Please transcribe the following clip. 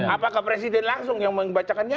apakah presiden langsung yang membacakannya